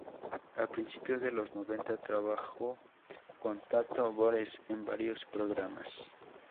A principios de los noventa trabajó con Tato Bores en varios programas.